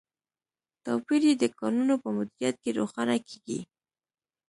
توپیر یې د کانونو په مدیریت کې روښانه کیږي.